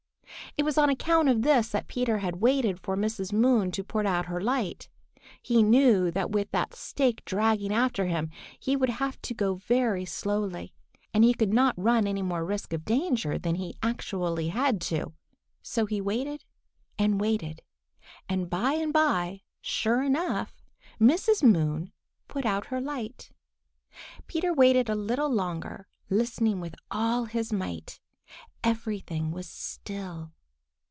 It was on account of this that Peter was waiting for Mrs. Moon to put out her light. He knew that with that stake dragging after him he would have to go very slowly, and he could not run any more risk of danger than he actually had to. So he waited and waited, and by and by, sure enough, Mrs. Moon put out her light. Peter waited a little longer, listening with all his might. Everything was still.